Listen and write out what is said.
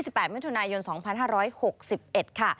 สวัสดีค่ะสวัสดีค่ะ